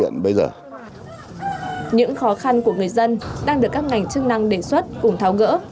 những khó khăn của người dân đang được các ngành chức năng đề xuất cùng tháo gỡ